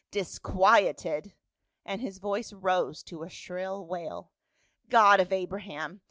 " Disquieted !" and his voice rose to a shrill wail. " God of Abra ham